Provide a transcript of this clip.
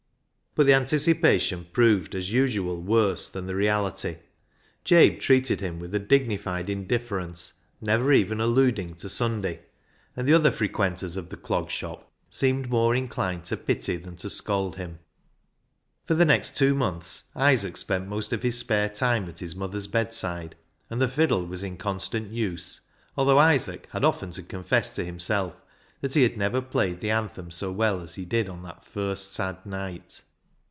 But the anticipation proved as usual worse than the reality. Jabe treated him with a dignified indifference, never even alluding to Sunday, and the other frequenters of the Clog 270 BECKSIDE LIGHTS Shop seemed more inclined to pity than to scold him. For the next two months Isaac spent most of his spare time at his mother's bedside, and the fiddle was in constant use, although Isaac had often to confess to himself that he had never played the anthem so well as he did on that first sad night.